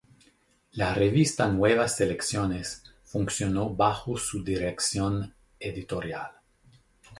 La revista Nuevas Selecciones funcionó bajo su dirección editorial.